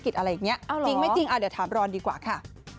จริงหรือไม่จริงเดี๋ยวถามร้อนดีกว่าค่ะ